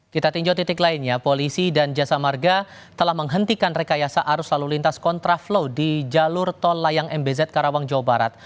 kita tinjau titik lainnya polisi dan jasa marga telah menghentikan rekayasa arus lalu lintas kontraflow di jalur tol layang mbz karawang jawa barat